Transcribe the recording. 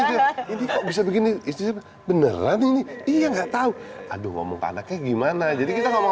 ini kok bisa begini beneran ini iya nggak tahu aduh ngomong tanda kayak gimana jadi kita ngomong